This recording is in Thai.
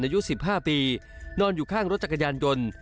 อายุ๑๕ปีนอนอยู่ข้างรถจักรยานยนต์